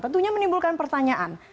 tentunya menimbulkan pertanyaan